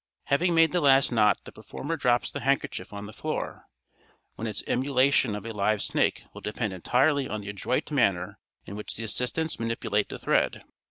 Having made the last knot the performer drops the handkerchief on the floor, when its emulation of a live snake will depend entirely on the adroit manner in which the assistants manipulate the thread.